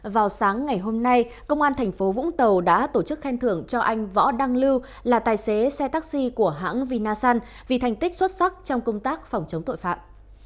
vào sáng ngày hôm nay công an thành phố vũng tàu đã tổ chức khen thưởng cho anh võ đăng lưu là tài xế xe taxi của hãng vinasun vì thành tích xuất sắc trong công tác phòng chống tội phạm